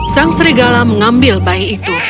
sang serigala mengambil bayi itu